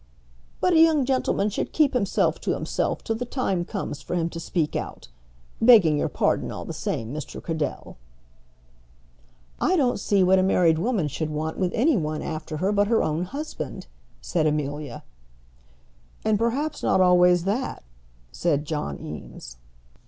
"But a young gentleman should keep himself to himself till the time comes for him to speak out, begging your pardon all the same, Mr. Cradell." "I don't see what a married woman should want with any one after her but her own husband," said Amelia. "And perhaps not always that," said John Eames.